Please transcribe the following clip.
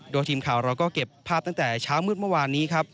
โดยทีมข่าวเราก็เก็บภาพตั้งแต่เช้ามืดเมื่อวานนี้ครับ